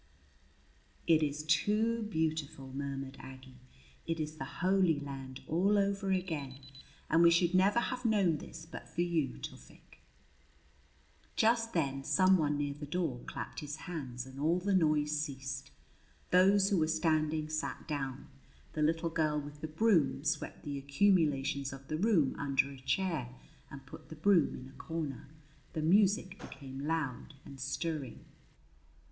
'" "It is too beautiful!" murmured Aggie. "It is the Holy Land all over again! And we should never have known this but for you, Tufik!" Just then some one near the door clapped his hands and all the noise ceased. Those who were standing sat down. The little girl with the broom swept the accumulations of the room under a chair and put the broom in a corner. The music became loud and stirring.